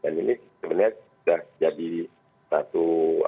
dan ini sebenarnya sudah jadi satu